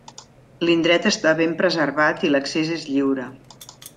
L'indret està ben preservat i l'accés és lliure.